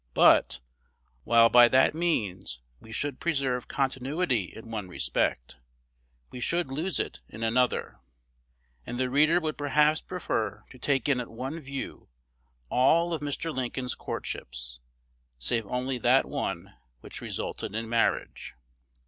But, while by that means we should preserve continuity in one respect, we should lose it in another; and the reader would perhaps prefer to take in at one view all of Mr. Lincoln's courtships, save only that one which resulted in marriage.